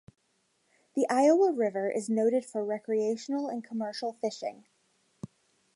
The Iowa River is noted for recreational and commercial fishing.